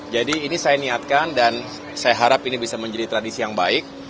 jadi ini saya niatkan dan saya harap ini bisa menjadi tradisi yang baik